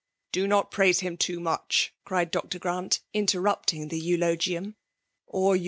. "Do not praise him too much," cried Dr. Grant, interrupting the eulogium ;'' or you VOL.